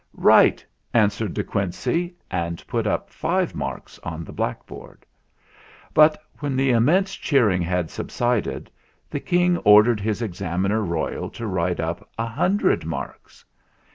"Right!" answered De Quincey, and put up five marks on the blackboard ; but when the im mense cheering had subsided, the King ordered 240 THE FLINT HEART his Examiner Royal to write up a hundred marks.